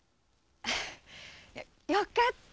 よかった！